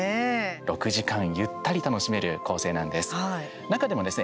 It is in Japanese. ６時間ゆったり楽しめる構成なんです。